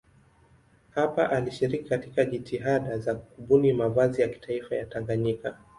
Hapa alishiriki katika jitihada za kubuni mavazi ya kitaifa ya Tanganyika.